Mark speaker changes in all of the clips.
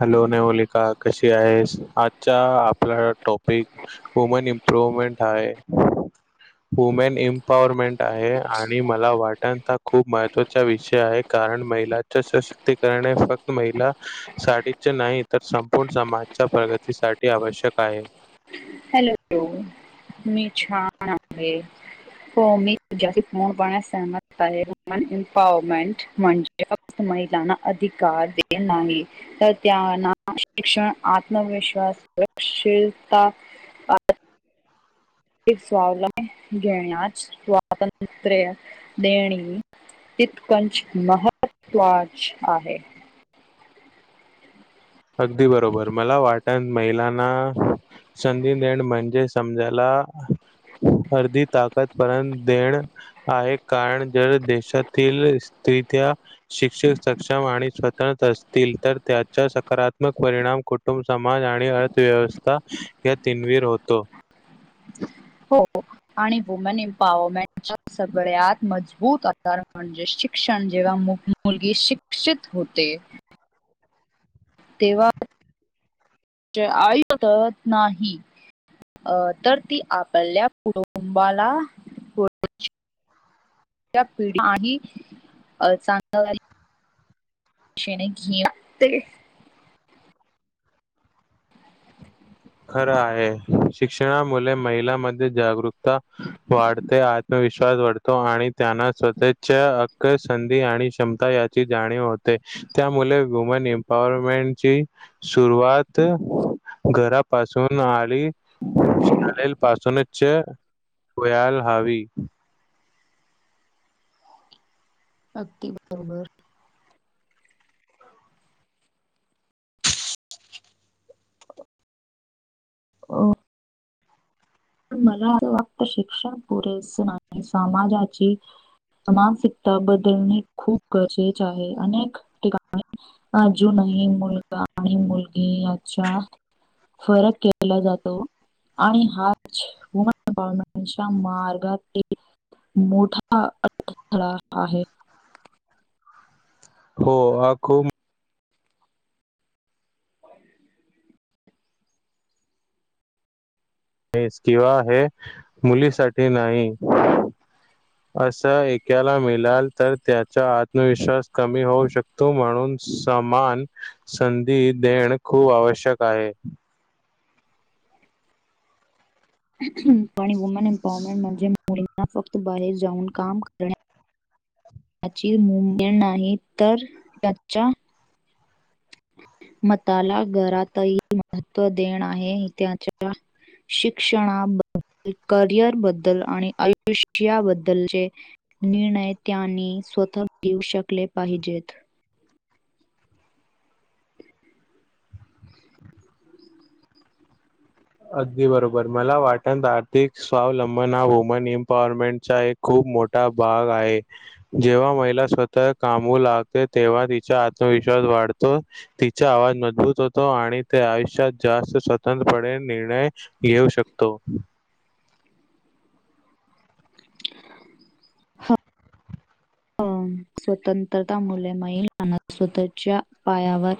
Speaker 1: Hello Navalika कशी आहेस? आजचा टॉपिक वुमेन इम्प्रोवमेंट हा आहे. वुमेन एम्पॉवरमेंट आहे आणि मला वाटण ता खूप महत्त्वाचा विषय आहे का रण महिलाच सशक्तिकरण फक्त महिला साठीचे नाही तर संपूर्ण समाजच्या प्रगतीसाठी आवश्यक आहे. [inaudible]
Speaker 2: हॅलो मी छान आहे. हो मी तुमच्याशी पूर्णपणे सहमत आहे वुमन एम्पॉवरमेंट म्हणजे. महिलांना अधिकार दिले नाही तर त्यांना शिक्षण आत्मविश्वास. सुरक्षिलता.
Speaker 1: [inaudible]
Speaker 2: एक स्वलंब घेण्यास स्वातंत्र्य देणे. तितकंच महत्त्वाच आहे.
Speaker 1: [inaudible] अगदी बरोबर मला वाटन महिलांना संधी देण म्हणजे समजायला. हा आर्धी ताकदपण देण आहे कारण जर देशातील स्त्या शिक्षक सक्षम आणि स्वतंत्र असतील तर त्याच्या सकारात्मक परिणाम, कुटुंब समाज आणि अर्थव्यवस्था या तिनवीर होतो. ह
Speaker 2: हो आणि वुमन एम्पॉवरमेंट सगळ्यात मजबूत आधार म्हणजे शिक्षण जेव्हा मुलगी शिक्षित होते तेव्हा आईतत नाही अ तर ती आपल्या कुटुंबाला पिढीलाही ही चांगलं शेणे घेते
Speaker 1: खरं आहे शिक्षणा मुळे महिलांमध्ये जागरूक वाढते आत्मविश्वास वाढते आणि त्यांना स्वतःचा हक्क संधी आणि क्षमता याची जाणीव होते ते त्यामुळे वुमन अम्पॉरमेन्ट घरा पासून आली शालेल पासूनच. चा व्हायला हवी.
Speaker 2: अगदी बरोबर. [inaudible] अ मला अस फक्त शिक्षण पुरेस नाही समाजाची मानसिकता बदलणे खूप गरजेच आहे अनेक ठिकाणी अजूनही आणि मुलगा आणि मुलगी यांच्या फरक केला जातो आणि हा वुमन अम्पॉरमेन्टचा मार्गात मोठा अडथळा आहे
Speaker 1: हो हा खूप हे किंवा मुलीसाठी नाही असा एकाला मिळाल तर त्याचा आत्मविश्वास कमी होऊ शकतो म्हणून समान संधी देण खूप आवश्यक आहे
Speaker 2: आणि वुमेन एम्पॉवरमेंट म्हणजे मुलींना फक्त बाहेर जाऊन काम करण्या
Speaker 1: [inaudible]
Speaker 2: त्याची मुमेंट नाही तर त्याच्या मताला घरातही महत्त्व देण आहे त्याच्या शिक्षणाबद्दल करिअर बद्दल आणि आयुष्याबद्दलचे निर्णय त्यांनी स्वतः घेऊ शकले पाहिजेत
Speaker 1: [inaudible] अगदी बरोबर मला वाटत आर्थिक स्वावलंबना ह वुमन एम्पॉवरमेंट चा एक खूप मोठा भाग आहे जेव्हा महिला स्वतः कामू लागते तेव्हा तिचा आत्मविश् वाढतो तिचा आवाज मजबूत होतो आणि ते आयुष्यात जास्त स्वतंत्रपणे निर्णय घेऊ शकतो [unintelligible] [inaudible]
Speaker 2: अ स्वतंत्रता मुले महिलाना स्वतःच्या पायावर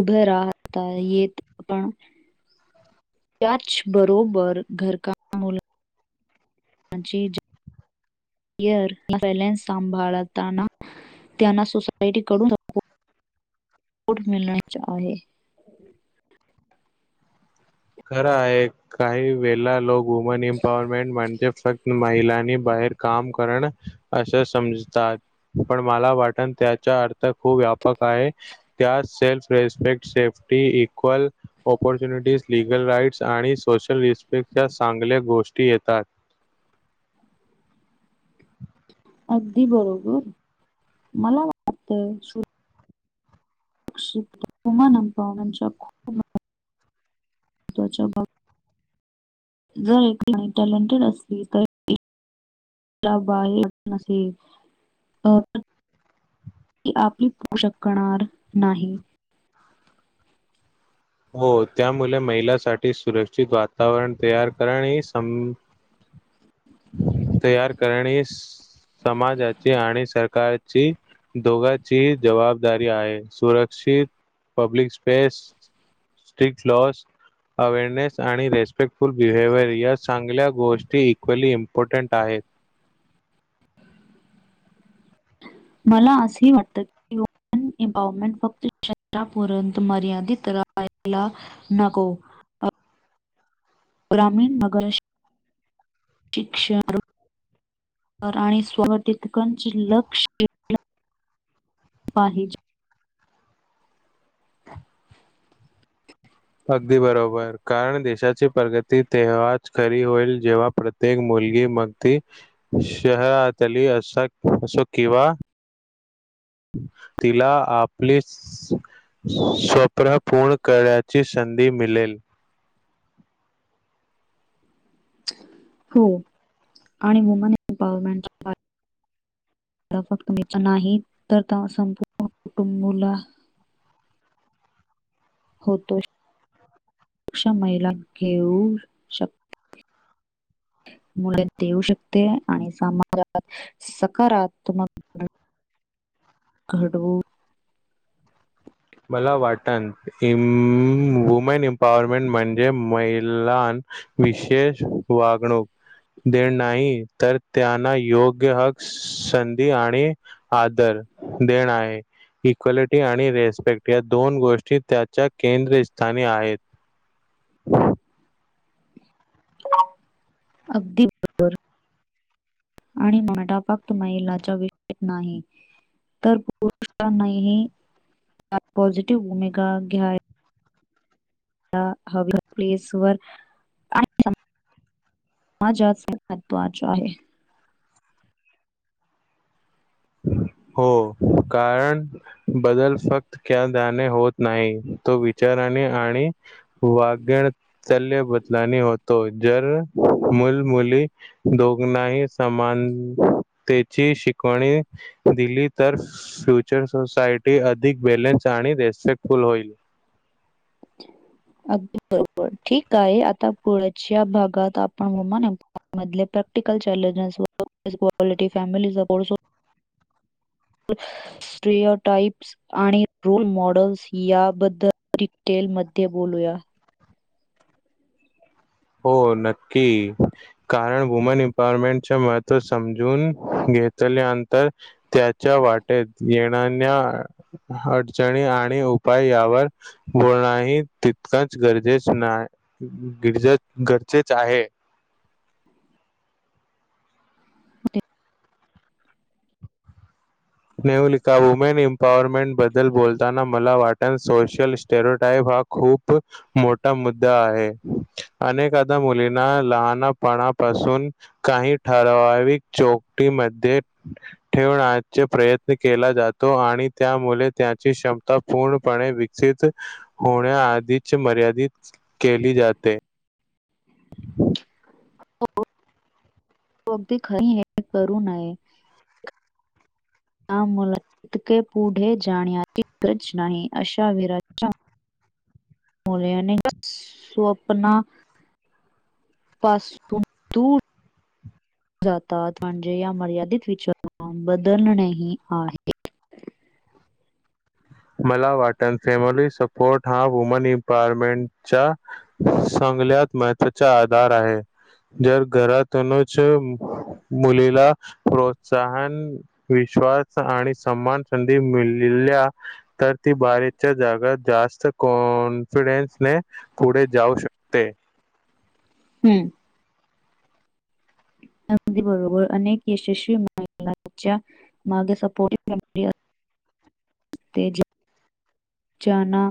Speaker 2: उभे राहा [unintelligible] येत आपण [unintelligible] [inaudible]
Speaker 1: ह [unintelligible] [inaudible]
Speaker 2: त्याच बरोबर घरका मुला [unintelligible] [inaudible] र पले सांभाळताना [unintelligible] [inaudible] त्यांना सोसायटीकडून [unintelligible] [unintelligible] [unintelligible] [inaudible] [unintelligible] ट मिळण चहे [unintelligible] [inaudible]
Speaker 1: खर आहे काही वेळेला लोक वुमन एम्पवरमेंट म्हणजे [unintelligible] [inaudible] फक्त महिलांनी बाहेर काम करण असं समजतात पण मला वाट [inaudible] त्याचा अर्थ खूप व्यापक आहे त्यात self respect safety equal [unintelligible] [inaudible] opportunities legal rights आणि सोशल रिस्पेक्टच्या चांगल्या गोष्टी येतात [unintelligible] [inaudible] [unintelligible] [inaudible]
Speaker 2: अगदी बरोबर मला वाटत सु [unintelligible] [inaudible] कुमानमवच्या खूप [unintelligible] [inaudible] महच्या भा जर एकणी टॅलेंटेड असली तर [unintelligible] [inaudible] अला बाई अब नसर अ [unintelligible] [inaudible] ती आपली पोषकणार नाही [inaudible] [unintelligible] [unintelligible]
Speaker 1: हो त्यामुळे महिलासाठी सुरक्षित वातावरण तयार कणे स [unintelligible] तयार करणे स [unintelligible] समाजाची आणि सरकारची दोघांची जबाबदारी आहे सुरक्षित [unintelligible] [inaudible] public space strict laws awareness आणि रेस्पेक्टफुल बिहेवियर या चांगल्या गोष्टी इक्वली इम्पॉर्टंट आहेत [unintelligible] [inaudible] [unintelligible] [inaudible] [unintelligible] [inaudible] [inaudible] [unintelligible]
Speaker 2: मला असं वाटत की [unintelligible] [unintelligible] [inaudible] एवरमेंट फक्त शरापर्यंत मर्यादित राहाला नको [unintelligible] [inaudible]
Speaker 1: [inaudible] [unintelligible]
Speaker 2: ग्रामीण नगरिक शिक्षण [unintelligible] आणि स्वर तितकंच लक्ष [unintelligible] सफाहिज [unintelligible] [inaudible]
Speaker 1: अगदी बरोबर कारण देशाची प्रगती तेव्हाच खरी होईल जेव्हा प्रत्येक मुली [unintelligible] मुलगी मग त शहरातली अस असो किंवा तिला आपले [inaudible] स्वप्न पूर्ण करण्याची संधी मिळेल [unintelligible] [inaudible]
Speaker 2: हो आणि वुमन एम्पॉवरमेंटच्या [unintelligible] [inaudible] फक्त नाही तर संपूर्ण कुटुंबला [unintelligible] होतो सुक्ष महिला घेऊ शकते [unintelligible] [inaudible]
Speaker 1: ह [unintelligible] [inaudible]
Speaker 2: मुले देऊ शकते आणि समाजात सकारात्मक [unintelligible] [inaudible]
Speaker 1: [unintelligible] [inaudible]
Speaker 2: घडव [unintelligible] [inaudible]
Speaker 1: मला वाट वुमेन एम्पॉवरमेंट म्हणजे महिला [inaudible] [unintelligible] [inaudible] विशेष वागणूक [unintelligible] [inaudible] दे नाही तर त्यांना योग्य हक्क संधी आणि आदर [inaudible] [unintelligible] देण आहे इक्वालिटी आणि रेस् [inaudible] [unintelligible] दोन गोष्टी त्याच्या केंद्रस्थानी आहेत [unintelligible]
Speaker 2: अबदीर आणि माटा फक्त महिलाच्या विषयेत नाही तर पुरुषांनीही पॉझिटिव भूमिका घ्या प्लेस वर माजात स खतव चे
Speaker 1: हम् हो कारण बदल फक्त क्या दणे होत नाही तो विचार आणि वागणल बदलाने होतो जर मल मुली दोघनाही समानतेची शिकवणी दिली तर फ्युचर सोसायटी अधिक बॅलन्स आणि रेस्पेक्टफुल होईल [inaudible]
Speaker 2: अगदी बरोबर ठीक आहे आता पुण्याच्या भागात आपण [unintelligible] [unintelligible] फॅमिली सपोर्ट [unintelligible]
Speaker 1: [inaudible]
Speaker 2: स्ट्रेयटाइप्स आणि रोल मॉडेल्स याबद्दल डिटेल मध्ये बोलूया.
Speaker 1: हो नक्की कारण वुमन एमपॉवरमेंट महत्व समजून घेतल्यानंतर त्याच्या वाटेत येणाण्या अडचणी आणि उपाय यावर बोल नाही तितकांच गरजेच ना गिरजाच गरजेच आहे. नेवोलिका वुमेन एम्पॉवरमेंट बद्दल बोलताना मला वाट सोशल स्टेरोटाईप हा खूप मोठा मुद्दा आहे. अनेकादा मुलींना लहानपणापासून काही ठराविक चोक कटी मध्ये ठेवण्यात चे प्रयत्न केला जातो आणि त्यामुले त्याची क्षमता पूर्णपणे विकसित होण्या आधीची मर्यादित केली जाते.
Speaker 2: हो अगदी खरी हे करू नये. त्या मुलातके पुढे जाण्याची गरज नाही अशा विराज मलने स्वप्ना पासून द जातात म्हणजे या मर्यादित विचारा बदलणेही आहेत
Speaker 1: [inaudible] मला वाट फॅमिली सपोर्ट हा वुमन एमपावरमेंटच्या सं सगल्यात महवाचा आधार आहे जर घरातनुच मुलीला प्रोत्साहन विश्वास आणि सन्मान संधी मिळल्या तर ती बारीकच्या जागात जास्त कॉन्फिडेन्से पुढे जाऊ शक ते
Speaker 2: हम्म अगदी बरोबर अनेक यशस्वी म लाच्या मागे सपोर्टिव मेमरी असं ते जाना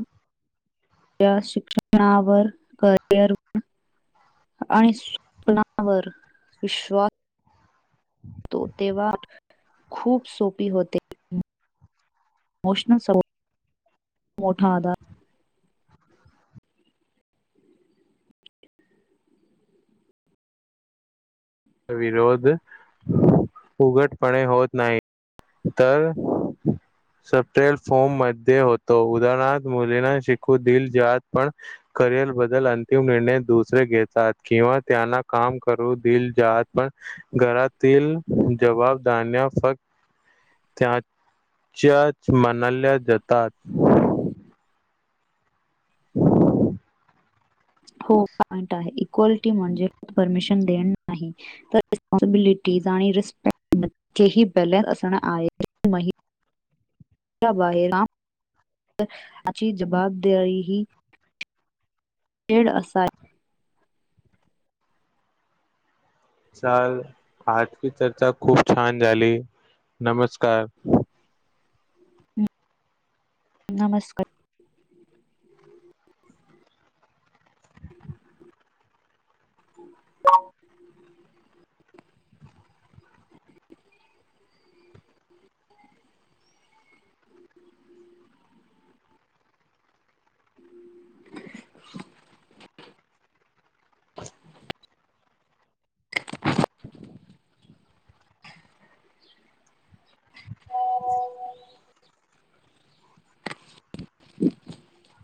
Speaker 2: शिक्षणावर करिअर आणि स्वप्नावर विश्वास तो तेव्हा खूप सोपी होते. मोशनल सपोर्ट मोठा आधार
Speaker 1: विरोध उघटपणे होत नाही. तर सपेल फोम मध्ये होतो उदाहरणारथ मुलींना शिकू दिल जात पण करिअर बद्दल अंतिम निर्णय दुसरे घेतात किंवा त्यांना काम करू दिल जात घरातील जबाबदान्या फक् त्याच्याच मनाल्या जातात. [inaudible]
Speaker 2: हो पॉंईट आहे इक्वालिटी म्हणजे परमिशन देनं आहे. तर फॉर्मलिटीझ आणि रिस्पेक्टचेही बॅलेन्स असण आहे मही त बाहेर [unintelligible] अची जबाबदारीही खेळ असा
Speaker 1: चाल आजकी चर्चा खूप छान झाली. नमस्कार
Speaker 2: नमस्कार
Speaker 1: [inaudible] [inaudible] [inaudible] [unintelligible]
Speaker 2: [unintelligible] [unintelligible] [unintelligible]